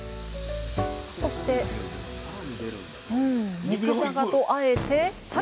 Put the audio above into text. そして肉じゃがとあえてさらに！